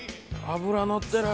脂のってる！